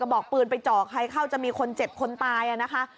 บอกปืนไปเจาะใครเข้าจะมีคนเจ็บคนตายนะคะ